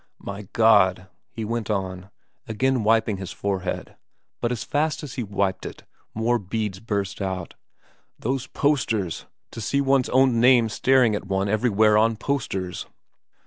' My God,' he went on, again wiping his forehead, but as fast as he wiped it more beads burst out, ' those posters to see one's own name staring at one every where on posters